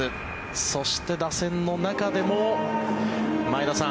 そして打線の中でも前田さん